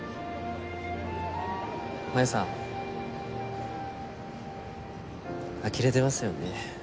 真夢さん呆れてますよね？